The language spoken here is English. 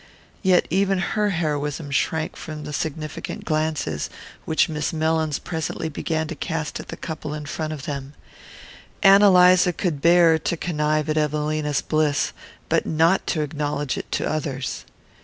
Yet even her heroism shrank from the significant glances which Miss Mellins presently began to cast at the couple in front of them: Ann Eliza could bear to connive at Evelina's bliss, but not to acknowledge it to others.